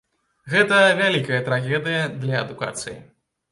Гэта вялікая трагедыя для адукацыі.